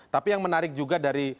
tapi yang menarik juga dari